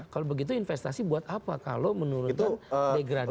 kalau begitu investasi buat apa kalau menurunkan degradasi